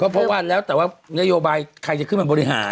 เพราะว่าแล้วแต่ว่านโยบายใครจะขึ้นมาบริหาร